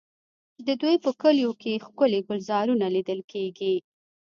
د دوی په کلیو کې ښکلي ګلزارونه لیدل کېږي.